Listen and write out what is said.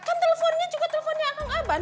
kan telponnya juga telponnya akang abah